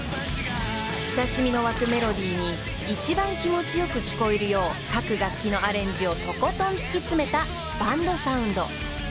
［親しみが湧くメロディーに一番気持ちよく聞こえるよう各楽器のアレンジをとことん突き詰めたバンドサウンド］